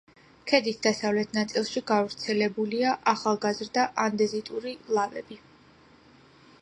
ქედის დასავლეთ ნაწილში გავრცელებულია ახალგაზრდა ანდეზიტური ლავები.